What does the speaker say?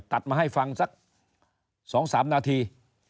ตัดมาให้ฟังสักสองสามนาที